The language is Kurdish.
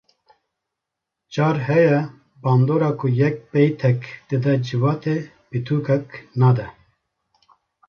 Car heye bandora ku yek beytek dide civatê pitûkek nade